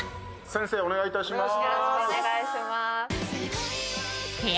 先生お願いいたします。